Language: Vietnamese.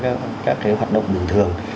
các cái hoạt động bình thường